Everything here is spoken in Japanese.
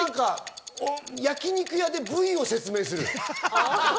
焼肉屋で部位を説明する。